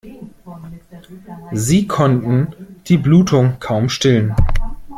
Sie konnten die Blutung kaum stillen.